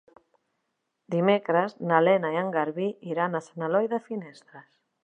Dimecres na Lena i en Garbí iran a Sant Aniol de Finestres.